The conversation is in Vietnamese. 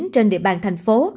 trên địa bàn thành phố